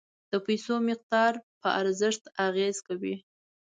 د پیسو مقدار په ارزښت اغیز کوي.